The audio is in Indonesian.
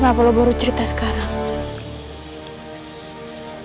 kenapa baru cerita sekarang